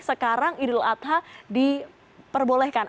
sekarang idul adha diperbolehkan